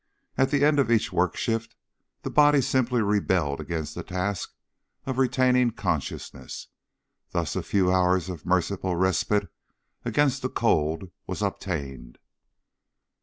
At the end of each work shift the body simply rebelled against the task of retaining consciousness. Thus a few hours of merciful respite against the cold was obtained.